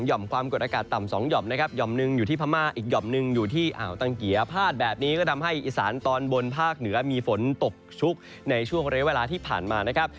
ความกดอากาศต่ำสองหย่อมนะครับหย่อมหนึ่งอยู่ที่พม่าอีกห่อมหนึ่งอยู่ที่อ่าวตังเกียพาดแบบนี้ก็ทำให้อีสานตอนบนภาคเหนือมีฝนตกชุกในช่วงเรียกเวลาที่ผ่านมานะครับ